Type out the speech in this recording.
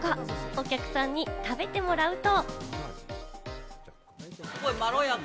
お客さんに食べてもらうと。